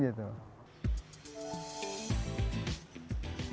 pria yang berprofesi sebagai pedagang ini